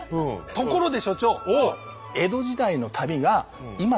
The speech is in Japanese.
ところで所長！